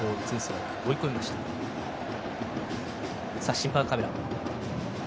審判カメラ。